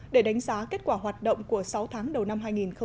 để đánh giá kết quả hoạt động của sáu tháng đầu năm hai nghìn một mươi chín